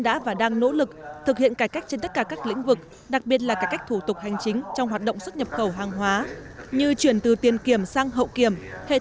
về việc thực hiện thủ tục hành chính trong hoạt động xuất nhập khẩu hàng hóa năm hai nghìn một mươi tám